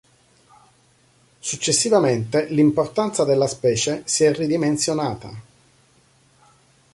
Successivamente l'importanza della specie si è ridimensionata.